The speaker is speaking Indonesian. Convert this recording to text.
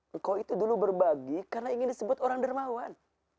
engkau itu dulu berbagi karena ingin disebut orang dermawan